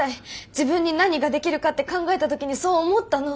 自分に何ができるかって考えた時にそう思ったの。